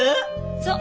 そう。